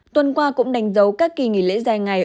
tuần qua cũng đánh dấu các kỳ nghỉ lễ dài ngày